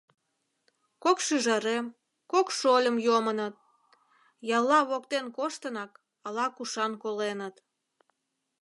Кок шӱжарем, кок шольым йомыныт... ялла воктен коштынак, ала-кушан коленыт.